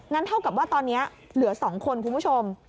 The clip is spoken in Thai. เท่ากับว่าตอนนี้เหลือ๒คนคุณผู้ชม